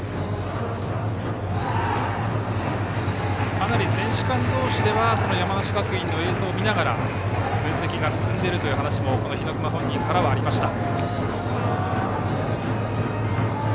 かなり選手間同士では山梨学院の映像を見ながら分析が進んでいるという話も日隈本人からありました。